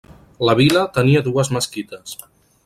La vila tenia dues mesquites.